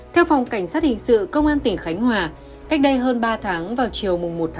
theo phòng cảnh sát hình sự công an tỉnh khánh hòa cách đây hơn ba tháng vào chiều một tám